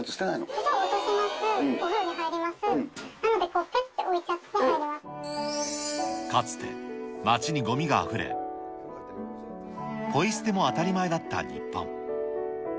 化粧落とします、お風呂に入ります、なので、ぺって置いちゃかつて街にごみがあふれ、ポイ捨ても当たり前だった日本。